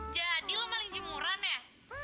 jadi lo maling jemuran ya